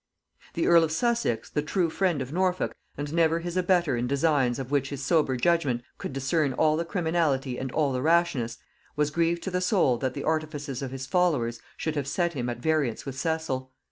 The earl of Sussex, the true friend of Norfolk, and never his abettor in designs of which his sober judgement could discern all the criminality and all the rashness, was grieved to the soul that the artifices of his followers should have set him at variance with Cecil.